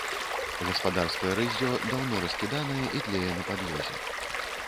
Гаспадарскае рыззё даўно раскіданае і тлее на падлозе.